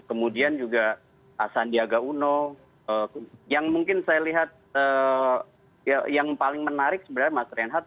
kemudian juga sandiaga uno yang mungkin saya lihat yang paling menarik sebenarnya mas renhat